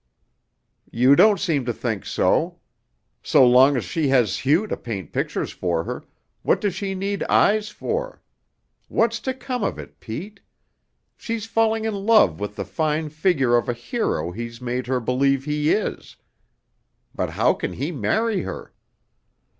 "You don't seem to think so. So long's she has Hugh to paint pictures for her, what does she need eyes for? What's to come of it, Pete? She's falling in love with the fine figure of a hero he's made her believe he is. But how can he marry her?"